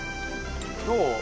どう？